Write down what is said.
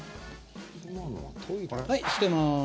はい、捨てます。